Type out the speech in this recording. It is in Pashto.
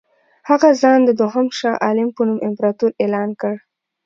هغه ځان د دوهم شاه عالم په نوم امپراطور اعلان کړ.